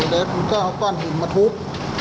แล้วเอาก้อนหินมาทุบ